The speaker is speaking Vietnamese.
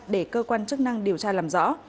để cơ quan chức năng điều tra làm rõ